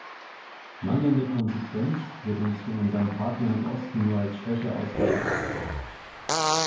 Mangelnde Konsequenz wird uns von unseren Partnern im Osten nur als Schwäche ausgelegt.